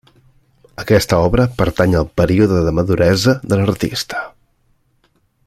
Aquesta obra pertany al període de maduresa de l'artista.